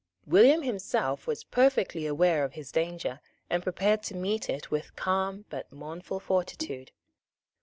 William himself was perfectly aware of his danger, and prepared to meet it with calm but mournful fortitude.